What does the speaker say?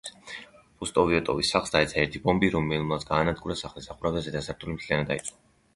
პუსტოვოიტოვის სახლს დაეცა ერთი ბომბი, რომელმაც გაანადგურა სახლის სახურავი და ზედა სართული მთლიანად დაიწვა.